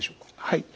はい。